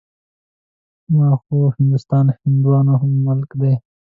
ها خوا هندوستان د هندوانو ملک دی.